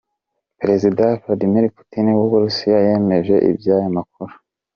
Perezida Vladimir Putin w’Uburusiya yemeje iby’aya makuru.